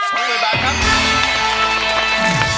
หมื่นบาทครับ